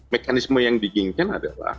mekanisme yang diinginkan adalah